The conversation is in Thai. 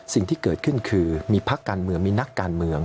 สิ่งที่เกิดขึ้นคือมีพักการเมืองมีนักการเมือง